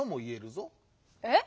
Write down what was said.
えっ⁉